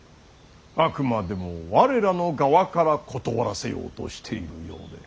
あくまでも我らの側から断らせようとしているようで。